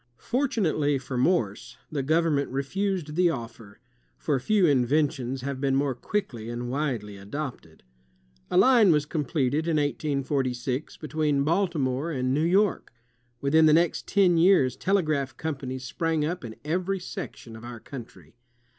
Fortunately for Morse, the government refused the offer, for few inventions have been more quickly and widely adopted. A line was completed, in 1846, between Baltimore and New York. Within the next ten years, telegraph companies sprang up in every section of our country.